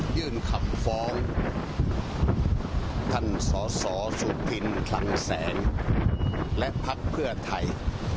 ยื่นคำฟ้องท่านสสสุพินคลังแสงและพักเพื่อไทย